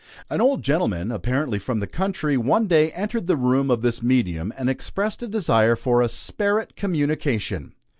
An old gentleman, apparently from the country, one day entered the room of this medium and expressed a desire for a "sperit communication."